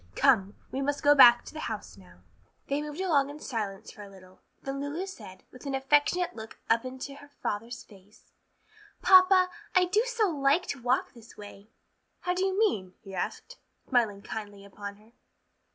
"Come, we must go back to the house now." They moved along in silence for a little, then Lulu said, with an affectionate look up into her father's face, "Papa, I do so like to walk this way!" "How do you mean?" he asked, smiling kindly upon her.